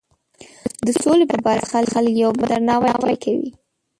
د سولې په برکت خلک یو بل ته درناوی کوي.